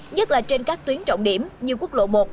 nhất là trên các tuyến trọng điểm như quốc lộ một